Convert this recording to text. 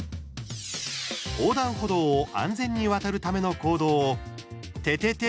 横断歩道を安全に渡るための行動を「ててて！